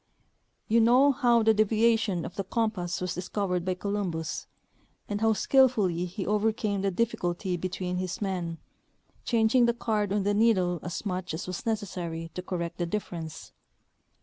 You know how the deviation of the compass was dis covered by Columbus, and how skillfully he overcame the diffi culty between his men, changing the card on the needle as much as was necessary to correct the difference.